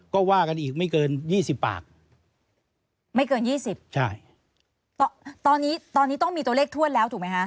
ก็ว่ากันอีกไม่เกินยี่สิบปากไม่เกินยี่สิบใช่ตอนนี้ตอนนี้ต้องมีตัวเลขถ้วนแล้วถูกไหมคะ